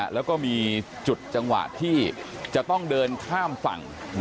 แล้วก็มีจุดจังหวะที่จะต้องเดินข้ามฝั่ง